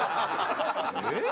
えっ？